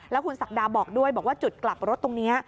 แล้วคุณศักดาบอกด้วยบอกว่าจุดกลับรถตรงนี้